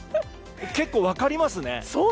結構、分かりますね。